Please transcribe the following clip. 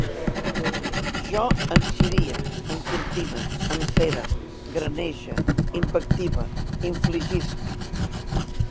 Jo encirie, encortine, encere, granege, invective, infligisc